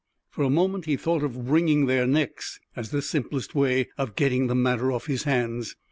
For a moment he thought of wringing their necks, as the simplest way of getting the matter off his hands.